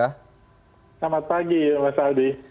selamat pagi mas aldi